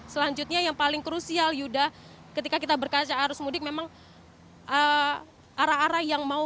selanjutnya yang paling krusial yuda ketika kita berkaca arus mudik memang arah arah yang mau